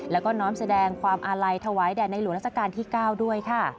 แล้วก็น้อมแสดงความอาลัยถวายแด่ในหลวงราชการที่๙ด้วยค่ะ